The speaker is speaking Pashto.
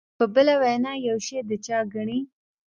په بله وینا یو شی د چا ګڼي.